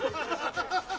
ハハハハ！